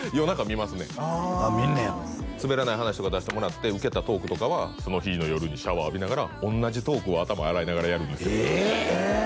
見るねや「すべらない話」とか出してもらってウケたトークとかはその日の夜にシャワー浴びながら同じトークを頭洗いながらやるんですええ？